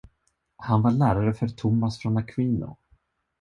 Han var lärare för Tomas från Aquino.